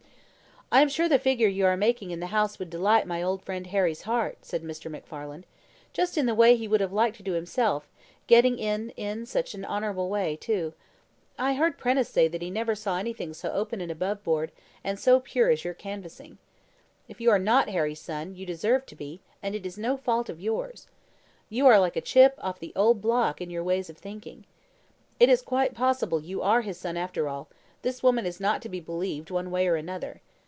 "I am sure the figure you are making in the House would delight my old friend Harry's heart," said Mr. MacFarlane; "just in the way he would have liked to do himself; getting in in such an honourable way too. I heard Prentice say that he never saw anything so open and above board and so pure as your canvassing. If you are not Harry's son, you deserve to be, and it is no fault of yours. You are like a chip of the old block in your ways of thinking. It is quite possible you are his son after all: this woman is not to be believed one way or another.